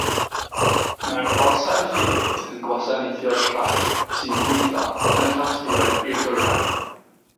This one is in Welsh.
Mae'r orsaf hefyd yn gwasanaethu'r rhai sy'n gweithio yn y ffatrïoedd i'r dwyrain.